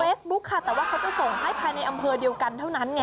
ค่ะแต่ว่าเขาจะส่งให้ภายในอำเภอเดียวกันเท่านั้นไง